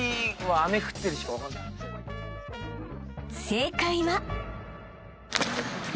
［正解は］